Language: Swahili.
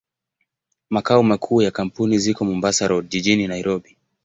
Makao makuu ya kampuni ziko Mombasa Road, jijini Nairobi.